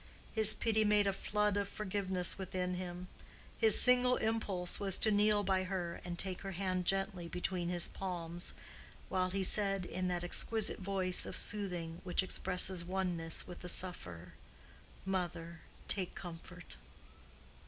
His pity made a flood of forgiveness within him. His single impulse was to kneel by her and take her hand gently, between his palms, while he said in that exquisite voice of soothing which expresses oneness with the sufferer, "Mother, take comfort!"